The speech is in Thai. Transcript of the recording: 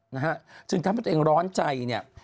นะฮะจึงทำให้ตัวเองร้อนใจเนี่ย